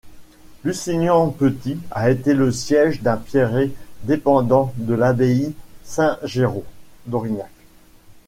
Lusignan-Petit a été le siège d’un prieuré dépendant de l’abbaye Saint-Géraud d’Aurillac.